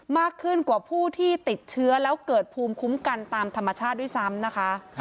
มากขึ้นกว่าผู้ที่ติดเชื้อแล้วเกิดภูมิคุ้มกันตามธรรมชาติด้วยซ้ำนะคะ